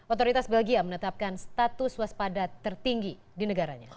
otoritas belgia menetapkan status waspada tertinggi di negaranya